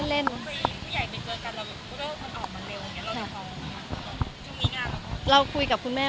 มีปิดฟงปิดไฟแล้วถือเค้กขึ้นมา